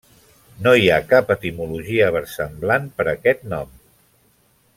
No hi ha cap etimologia versemblant per aquest nom.